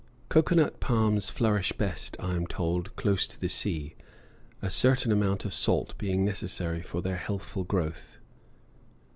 Cocoa nut palms flourish best, I am told, close to the sea, a certain amount of salt being necessary for their healthful growth.